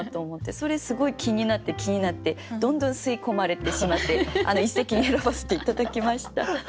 それすごい気になって気になってどんどん吸い込まれてしまって一席に選ばせて頂きました。